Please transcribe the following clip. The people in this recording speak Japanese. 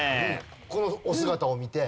このお姿を見て。